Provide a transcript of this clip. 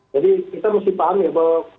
jadi kita mesti paham ya bahwa